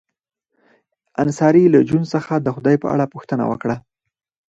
انصاري له جون څخه د خدای په اړه پوښتنه وکړه